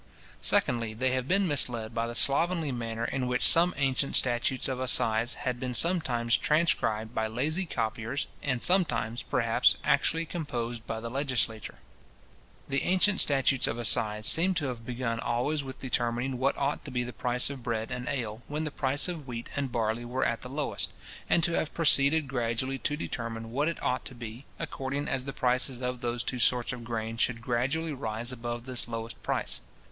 Secondly, they have been misled by the slovenly manner in which some ancient statutes of assize had been sometimes transcribed by lazy copiers, and sometimes, perhaps, actually composed by the legislature. The ancient statutes of assize seem to have begun always with determining what ought to be the price of bread and ale when the price of wheat and barley were at the lowest; and to have proceeded gradually to determine what it ought to be, according as the prices of those two sorts of grain should gradually rise above this lowest price.